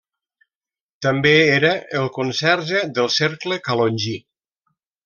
També era el conserge del Cercle Calongí.